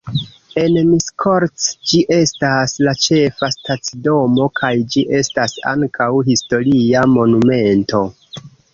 En Miskolc ĝi estas la ĉefa stacidomo kaj ĝi estas ankaŭ historia monumento.